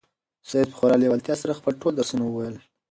سعید په خورا لېوالتیا سره خپل ټول درسونه وویل.